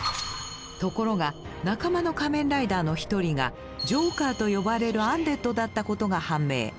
ところが仲間の仮面ライダーの一人がジョーカーと呼ばれるアンデッドだったことが判明。